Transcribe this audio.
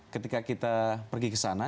ketika kita pergi ke sana